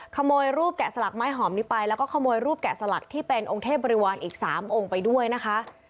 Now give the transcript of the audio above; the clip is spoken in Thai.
ขโมยรูปแกะสลักไม้หอมนี้ไปแล้วก็ขโมยรูปแกะสลักที่เป็นองค์เทพบริวารอีก๓องค์ไปด้วยนะคะ